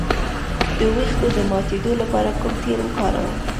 د ویښتو د ماتیدو لپاره کوم تېل وکاروم؟